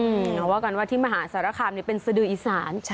เพราะว่ากันว่าที่มหาสารคามเป็นสดืออีสาน